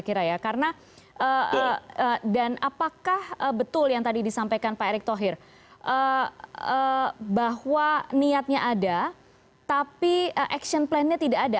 jadi ini adalah hal yang harus diperhatikan kira kira ya karena dan apakah betul yang tadi disampaikan pak erik thohir bahwa niatnya ada tapi action plannya tidak ada